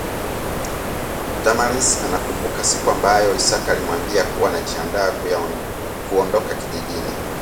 Damaris anakumbuka siku ambayo Isaka alimwambia kuwa anajiandaa kuondoka kijijini